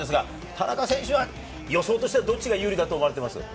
田中選手は予想として、どちらが有利だと思っていますか？